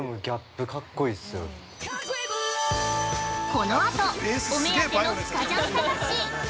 ◆このあと、お目当てのスカジャン探し！